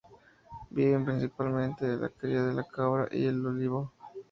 Viven principalmente de la cría de la cabra y el olivo.